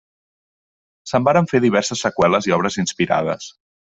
Se'n varen fer diverses seqüeles i obres inspirades.